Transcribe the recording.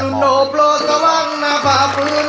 อนุโนโพรตะวังนาภาพรุน